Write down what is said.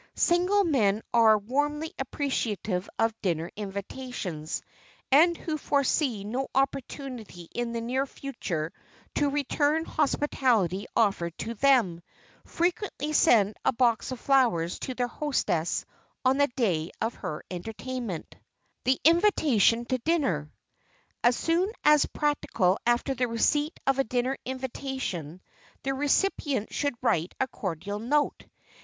Single men who are warmly appreciative of dinner invitations and who foresee no opportunity in the near future to return the hospitality offered to them, frequently send a box of flowers to their hostess on the day of her entertainment. [Sidenote: THE INVITATION TO DINNER] As soon as practicable after the receipt of a dinner invitation, the recipient should write a cordial note.